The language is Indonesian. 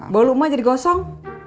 balu rumah jadi gosong